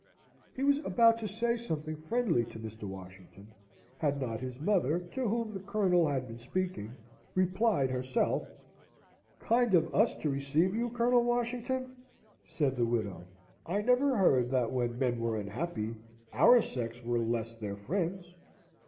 He was about to say something friendly to Mr. Washington, had not his mother, to whom the Colonel had been speaking, replied herself: "Kind of us to receive you, Colonel Washington!" said the widow. "I never heard that when men were unhappy, our sex were less their friends."